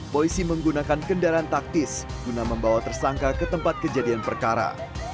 polisi menggunakan kendaraan taktis guna membawa tersangka ke tempat kejadian perkara